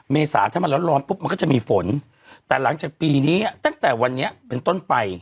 เมษาถ้ามันร้อนร้อนปุ๊บมันก็จะมีฝนแต่หลังจากปีนี้ตั้งแต่วันนี้เป็นต้นไป